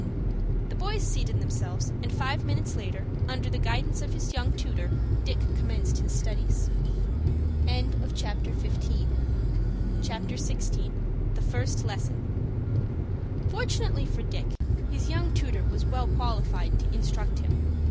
The boys seated themselves, and five minutes later, under the guidance of his young tutor, Dick had commenced his studies. CHAPTER XVI. THE FIRST LESSON Fortunately for Dick, his young tutor was well qualified to instruct him.